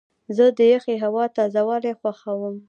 زه د یخې هوا تازه والی خوښوم.